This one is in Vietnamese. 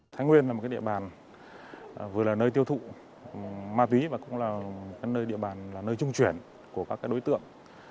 thái nguyên là một địa bàn vừa là nơi tiêu thụ ma túy và cũng là nơi trung chuyển của các đối tượng